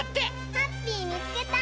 ハッピーみつけた！